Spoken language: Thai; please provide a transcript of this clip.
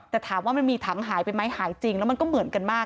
แต่ถามว่ามันมีถังหายไปไหมหายจริงแล้วมันก็เหมือนกันมาก